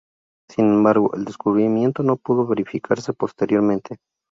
Sin embargo, el descubrimiento no pudo verificarse posteriormente.